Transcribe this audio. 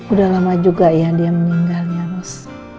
udah lama juga ya dia meninggal ya ros